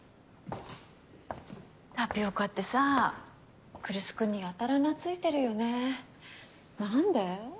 タピオカってさ来栖君にやたら懐いてるよね何で？